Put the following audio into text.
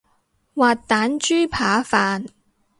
滑蛋豬扒飯